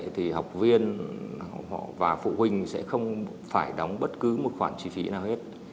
thì học viên họ và phụ huynh sẽ không phải đóng bất cứ một khoản chi phí nào hết